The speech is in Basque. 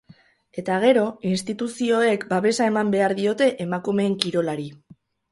Eta, gero, instituzioek babesa eman behar diote emakumeen kirolari.